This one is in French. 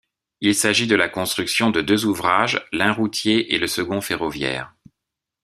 Il s'agit de la construction de deux ouvrages l'un routier et le second ferroviaire.